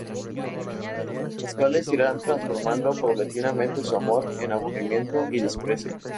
Las cuales irán transformando paulatinamente su amor en aburrimiento y desprecio.